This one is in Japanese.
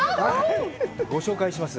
ご紹介します